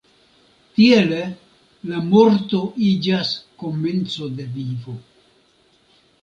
Tiele la morto iĝas komenco de vivo.